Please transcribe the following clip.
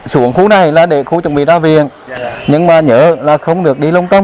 xuống khu này là để khu chuẩn bị ra viện nhưng nhớ là không được đi lông cầm